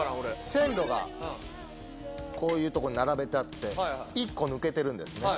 線路がこういうとこに並べてあって１個抜けてるんですね。